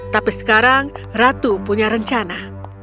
tapi sekarang ratu punya rencana